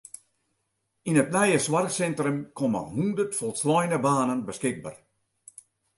Yn it nije soarchsintrum komme hûndert folsleine banen beskikber.